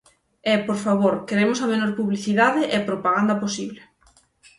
E, por favor, queremos a menor publicidade e propaganda posible.